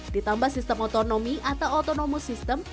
ditambah sistem otonomi atau otonomo system